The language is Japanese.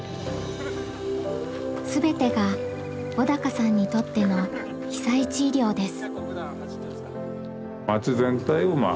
全てが小鷹さんにとっての被災地医療です。